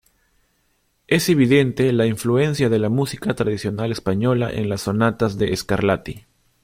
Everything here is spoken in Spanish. Es evidente la influencia de la música tradicional española en las sonatas de Scarlatti.